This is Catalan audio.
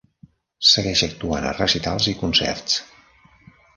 Segueix actuant a recitals i concerts.